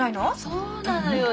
そうなのよ。